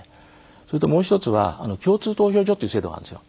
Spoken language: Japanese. それともう一つは共通投票所という制度があるんです。